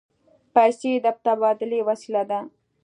پیسې د تبادلې وسیله ده.